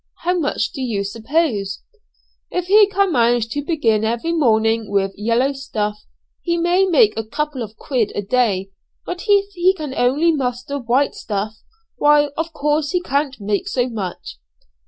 "How much do you suppose?" "If he can manage to begin every morning with yellow stuff, he may make a couple of 'quid' a day; but if he can only muster white stuff, why of course he can't make so much."